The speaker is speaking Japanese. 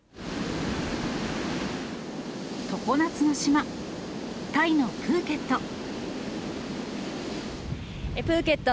常夏の島、タイのプーケット。